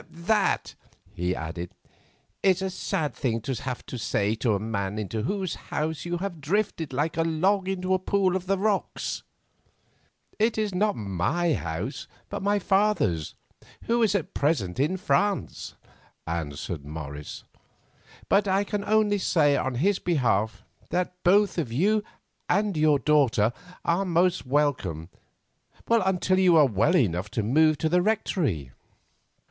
"That," he added, "is a sad thing to have to say to a man into whose house you have drifted like a log into a pool of the rocks." "It is not my house, but my father's, who is at present in France," answered Morris. "But I can only say on his behalf that both you and your daughter are most welcome until you are well enough to move to the Rectory."